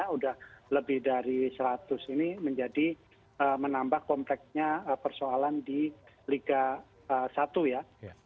sudah lebih dari seratus ini menjadi menambah kompleknya persoalan di liga satu ya